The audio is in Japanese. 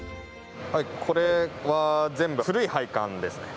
これは全部古い配管ですね。